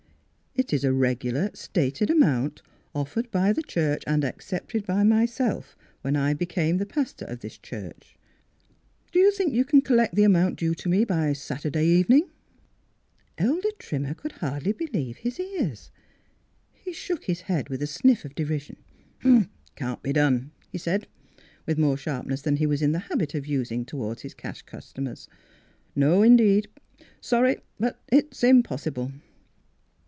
" It is a regular stated amount, offered by the church and accepted by myself, when I became the pastor of this church. Do you think you can collect the amount due me by Saturday evening? " Miss Philura's Wedding Gown Elder Trimmer could hardly believe his ears. He shook his head, with a sniff of de rision. " It can't be done," he said with more sharpness than he was in the habit of us ing toward his cash customers. " No, in deed. Sorry, but it's impossible."